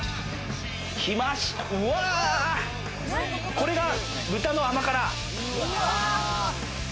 これが豚の甘辛。